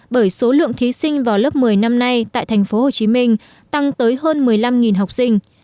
bởi số lượng thí sinh vào lớp một mươi năm nay tại thành phố hồ chí minh tăng tới hơn một mươi năm học sinh